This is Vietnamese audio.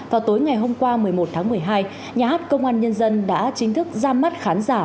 vào tối ngày hôm qua một mươi một tháng một mươi hai nhà hát công an nhân dân đã chính thức ra mắt khán giả